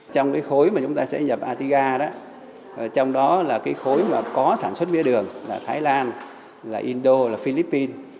trong cái khối mà chúng ta sẽ nhập atiga đó trong đó là cái khối mà có sản xuất mía đường là thái lan là indo là philippines